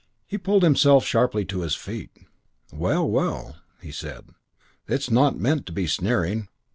He pulled himself sharply to his feet. "Well, well,", he said. "It's not meant to be sneering.